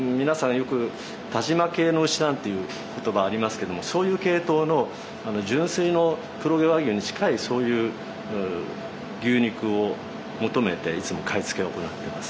よく但馬系の牛なんていう言葉ありますけどもそういう系統の純粋の黒毛和牛に近いそういう牛肉を求めていつも買い付けを行ってます。